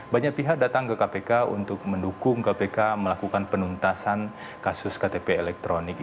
banyak pihak datang ke kpk untuk mendukung kpk melakukan penuntasan kasus ktp elektronik